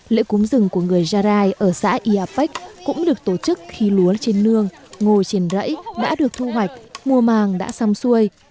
lễ cúng rừng của người gia rai ở xã ia pách cũng được tổ chức khi lúa trên nương ngồi trên rẫy đã được thu hoạch mùa màng đã xăm xuôi